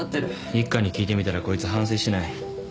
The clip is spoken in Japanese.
一課に聞いてみたらこいつ反省してない。